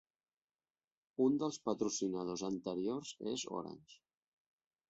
Un dels patrocinadors anteriors és Orange.